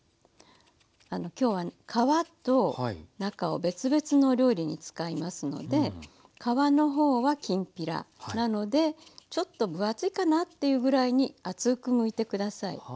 今日は皮と中を別々のお料理に使いますので皮の方はきんぴらなのでちょっと分厚いかなっていうぐらいに厚くむいてください。